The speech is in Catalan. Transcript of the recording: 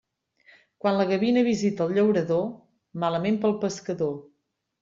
Quan la gavina visita el llaurador, malament pel pescador.